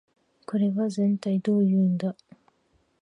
これはぜんたいどういうんだ